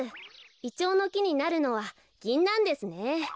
イチョウのきになるのはギンナンですね。